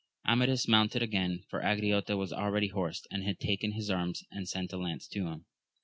Amadis mounted again, for Angriote was already horsed, and had taken his arms, and sent a lance to him.